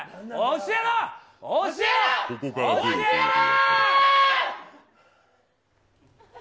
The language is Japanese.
教えろー！